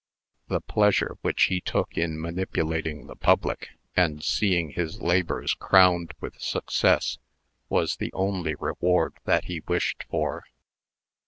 The pleasure which he took in manipulating the public, and seeing his labors crowned with success, was the only reward that he wished for.